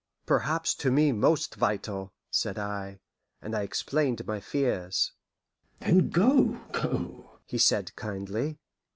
"Perhaps to me most vital," said I, and I explained my fears. "Then go, go," he said kindly.